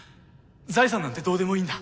財産なんてどうでもいいんだ。